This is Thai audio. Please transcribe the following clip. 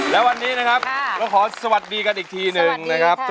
และวันนี้นะครับเราขอสวัสดีกันอีกทีหนึ่งนะครับ